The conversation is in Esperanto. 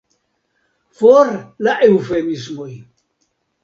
For la eŭfemismoj!